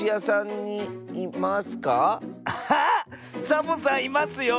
サボさんいますよ。